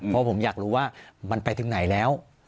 เพราะผมอยากรู้ว่ามันไปถึงไหนแล้ว